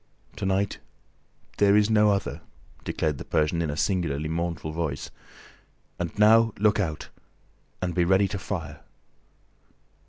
"To night, there is no other!" declared the Persian, in a singularly mournful voice. "And now, look out! And be ready to fire."